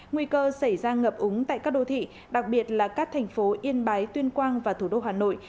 nguy cơ xảy ra ngập úng tại các đô thị đặc biệt là các thành phố yên bái tuyên quang và thủ đô hà nội